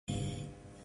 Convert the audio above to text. No audio